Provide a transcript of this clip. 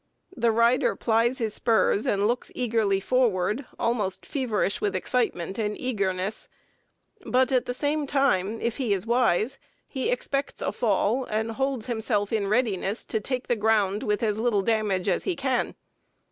The rider plies his spurs and looks eagerly forward, almost feverish with excitement and eagerness, but at the same time if he is wise he expects a fall, and holds himself in readiness to take the ground with as little damage as he can.